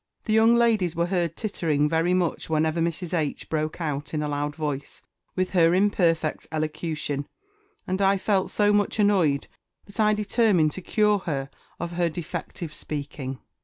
The young ladies were heard tittering very much whenever Mrs. H. broke out, in a loud voice, with her imperfect elocution, and I felt so much annoyed, that I determined to cure her of her defective speaking.